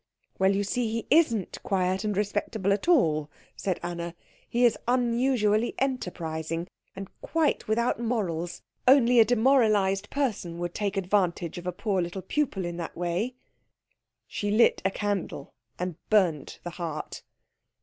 "Well, you see he isn't quiet and respectable at all," said Anna. "He is unusually enterprising, and quite without morals. Only a demoralised person would take advantage of a poor little pupil in that way." She lit a candle, and burnt the heart.